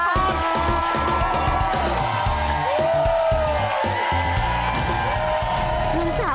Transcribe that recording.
สวัสดีครับ